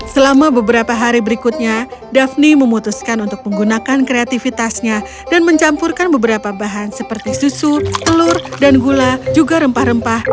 selama beberapa hari berikutnya daphne memutuskan untuk menggunakan kreativitasnya dan mencampurkan beberapa bahan seperti susu telur dan gula juga rempah rempah